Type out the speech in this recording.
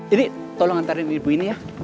ini tolong antarin ibu ini ya